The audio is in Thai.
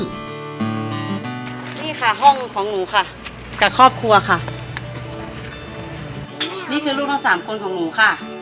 นี่ค่ะห้องของหนูค่ะกับครอบครัวค่ะนี่คือลูกทั้งสามคนของหนูค่ะ